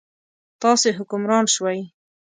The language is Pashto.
تاسې حکمران شوئ.